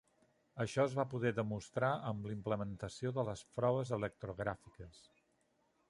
Això es va poder demostrar amb la implementació de les proves electrogràfiques.